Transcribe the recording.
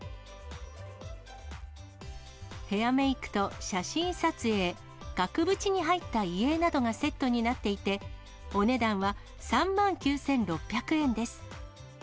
ヘアメークと写真撮影、額縁に入った遺影などがセットになっていて、お値段は３万９６００円です。